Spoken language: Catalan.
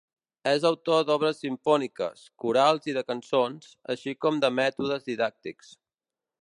És autor d'obres simfòniques, corals i de cançons, així com de mètodes didàctics.